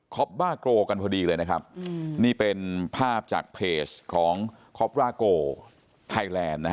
กันพอดีเลยนะครับอืมนี่เป็นภาพจากเพจของไทยแลนด์นะฮะ